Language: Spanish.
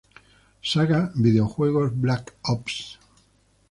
Saga videojuegos black ops